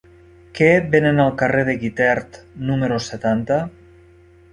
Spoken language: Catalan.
Què venen al carrer de Guitert número setanta?